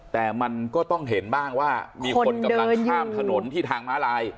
แต่มันก็ต้องเห็นบ้างว่ามีคนกำลังข้ามถนนที่ทางม้าลาย